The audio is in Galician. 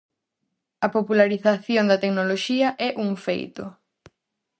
A popularización da tecnoloxía é un feito.